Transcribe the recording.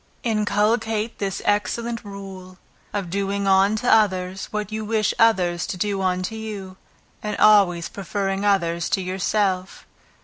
Inculcate this excellent rule, "of doing unto others, what you wish others to do unto you," and always preferring others to yourself.